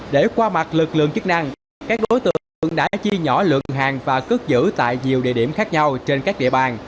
để qua mặt lực lượng chức năng các đối tượng đã chi nhỏ lượng hàng và cất giữ tại nhiều địa điểm khác nhau trên các địa bàn